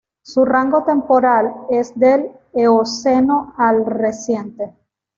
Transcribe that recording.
Su rango temporal es del Eoceno al Reciente.